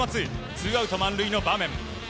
ツーアウト満塁の場面。